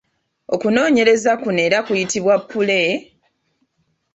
Okunoonyereza kuno era kuyitibwa pule,